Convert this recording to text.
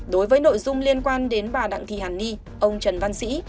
đối với nội dung liên quan đến bà đặng thị hàn ni ông trần văn sĩ